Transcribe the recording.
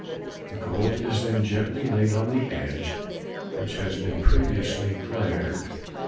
The gold is then gently laid on the edge, which has been previously glaired.